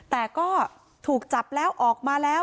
แต่ก็ถูกจับแล้วออกมาแล้ว